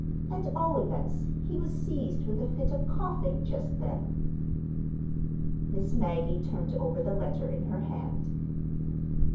At all events, he was seized with a fit of coughing just then. Miss Maggie turned over the letter in her hand.